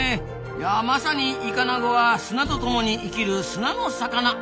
いやまさにイカナゴは砂と共に生きる砂の魚なんでスナ。